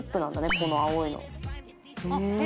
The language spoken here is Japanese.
この青いの。へえ！